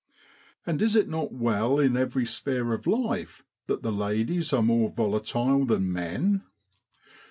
And is it not well in every sphere of life that the ladies are more volatile than men